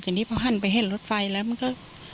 แต่นี่พอหันไปเห็นรถไฟแล้วมันก็